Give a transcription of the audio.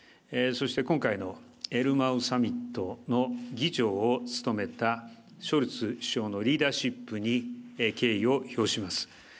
そして今回のエルマウサミットの議長を務めたショルツ首相のリーダーシップに敬意を表します。